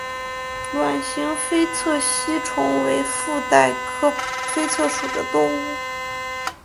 卵形菲策吸虫为腹袋科菲策属的动物。